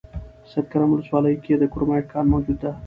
سیدکرم ولسوالۍ کې د کرومایټ کان موجود ده